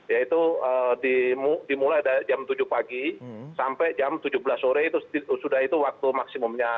yaitu dimulai dari jam tujuh pagi sampai jam tujuh belas sore itu sudah itu waktu maksimumnya